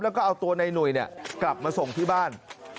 แล้วก็เอาตัวในหนุ่ยกลับมาส่งที่บ้าน